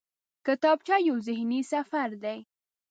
کتابچه یو ذهني سفر دی